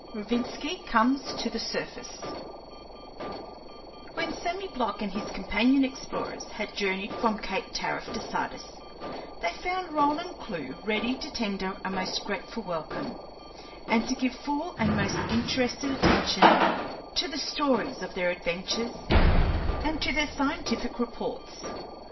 ROVINSKI COMES TO THE SURFACE When Sammy Block and his companion explorers had journeyed from Cape Tariff to Sardis, they found Roland Clewe ready to tender a most grateful welcome, and to give full and most interested attention to the stories of their adventures and to their scientific reports.